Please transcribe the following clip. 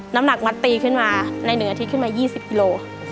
น้ำหนักมัดตีขึ้นมาใน๑อาทิตย์ขึ้นมา๒๐กิโล